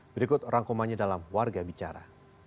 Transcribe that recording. berikut rangkumannya dalam warga bicara